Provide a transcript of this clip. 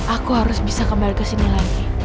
aku harus bisa kembali ke sini lagi